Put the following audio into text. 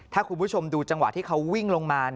ถ้าคุณผู้ชมดูจังหวะที่เขาวิ่งลงมา